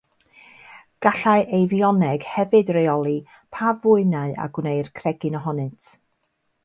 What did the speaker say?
Gallai eifioneg hefyd reoli pa fwynau y gwneir cregyn ohonynt.